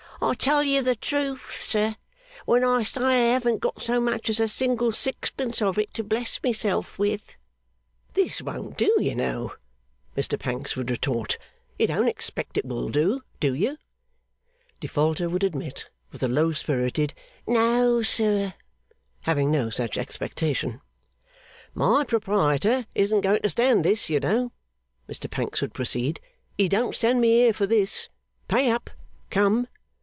'I tell you the truth, sir, when I say I haven't got so much as a single sixpence of it to bless myself with.' 'This won't do, you know,' Mr Pancks would retort. 'You don't expect it will do; do you?' Defaulter would admit, with a low spirited 'No, sir,' having no such expectation. 'My proprietor isn't going to stand this, you know,' Mr Pancks would proceed. 'He don't send me here for this. Pay up! Come!